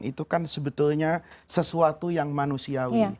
itu kan sebetulnya sesuatu yang manusiawi